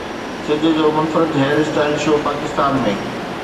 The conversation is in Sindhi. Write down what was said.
سج جو منفرد هيئر اسٽائل شو پاڪستان ۾